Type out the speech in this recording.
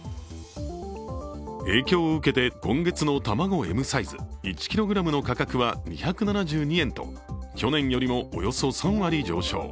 影響を受けて今月、卵Ｍサイズ１ｋｇの価格は２７２円と、去年よりもおよそ３割上昇